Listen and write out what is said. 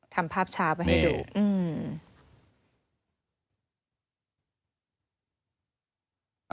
ทำภาพช้าไปให้ดูอืม